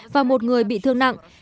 và một người bị thương nặng